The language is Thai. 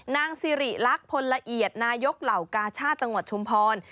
นางสิริรักษ์พลละเอียดนายกเหล่ากาชาติจังหวัดชุมพร